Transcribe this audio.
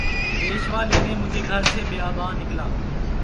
پیشوا لینے مجھے گھر سے بیاباں نکلا